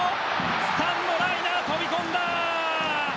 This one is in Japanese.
スタンドライナー飛び込んだ！